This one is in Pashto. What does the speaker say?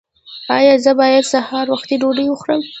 ایا زه باید سهار وختي ډوډۍ وخورم؟